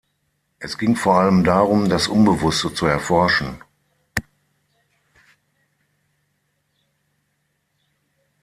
Es ging vor allem darum, das Unbewusste zu erforschen.